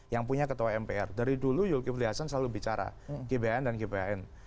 yang punya ketua mpr dari dulu zulkifli hasan selalu bicara gbhn dan gbhn